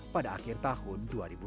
pada akhir tahun dua ribu dua puluh